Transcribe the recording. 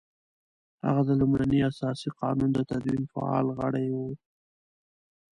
هغه د لومړني اساسي قانون د تدوین فعال غړی وو.